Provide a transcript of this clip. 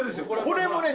これもね